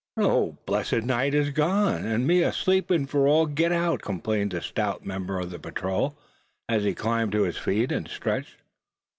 "The whole blessed night gone, and me a sleepin' for all get out," complained the stout member of the patrol, as he climbed to his feet, and stretched.